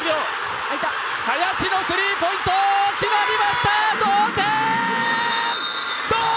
林のスリーポイント決まりました、同点！